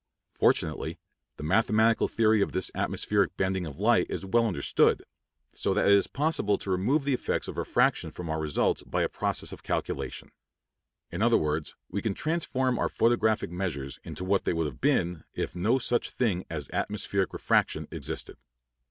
Fortunately, the mathematical theory of this atmospheric bending of light is well understood, so that it is possible to remove the effects of refraction from our results by a process of calculation. In other words, we can transform our photographic measures into what they would have been if no such thing as atmospheric refraction existed.